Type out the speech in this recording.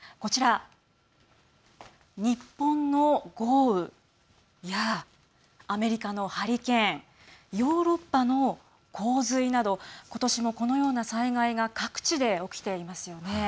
日本の豪雨やアメリカのハリケーンヨーロッパの洪水などことしも、このような災害が各地で起きていますよね。